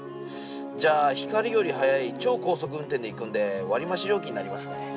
じゃあ光より速い超光速運転で行くんで割り増し料金になりますね。